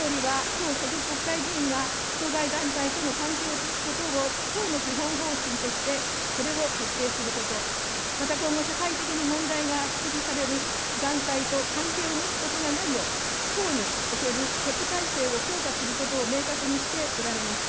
岸田総理は党所属国会議員が当該団体との関係を断つことを党の基本方針として、これを徹底すること、また今後、社会的に問題が指摘される団体と関係を持つことがないよう、党におけるチェック体制を強化することを明確にしておられます。